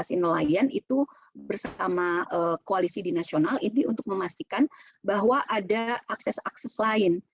koalisi nelayan itu bersama koalisi di nasional ini untuk memastikan bahwa ada akses akses lain